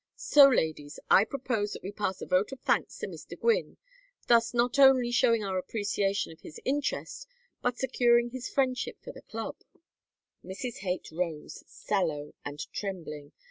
So, ladies, I propose that we pass a vote of thanks to Mr. Gwynne, thus not only showing our appreciation of his interest, but securing his friendship for the Club." Mrs. Haight rose, sallow and trembling.